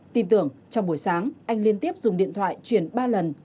tin tưởng trong buổi sáng anh liên tiếp dùng điện thoại chuyển ba lần